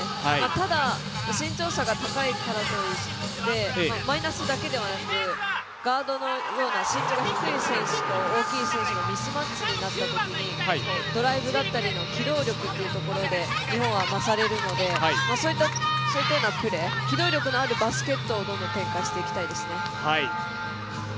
ただ、身長差が高いからといってマイナスだけではなくガードのような身長が低い選手と大きい選手のミスマッチになったときにドライブだったりの機動力というところで日本は勝れるので、そういったようなプレー、機動力のあるバスケットをどんどん展開していきたいですね。